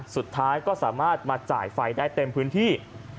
สุดท้ายก็สามารถมาจ่ายไฟได้เต็มพื้นที่